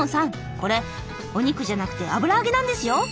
これお肉じゃなくて油揚げなんですよ。